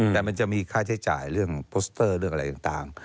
แต่มันจะมีค่าใช้จ่ายเรื่องโปสเตอร์เรื่องอะไรต่าง